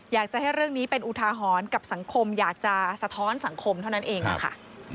อยากจะให้เรื่องนี้เป็นอุทาหรณ์กับสังคมอยากจะสะท้อนสังคมเท่านั้นเองค่ะ